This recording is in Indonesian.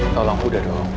tolong udah dong